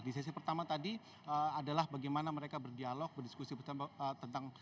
di sesi pertama tadi adalah bagaimana mereka berdialog berdiskusi tentang